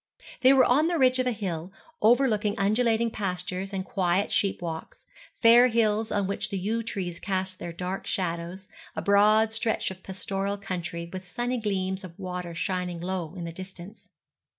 They were on the ridge of a hill, overlooking undulating pastures and quiet sheep walks, fair hills on which the yew trees cast their dark shadows, a broad stretch of pastoral country with sunny gleams of water shining low in the distance.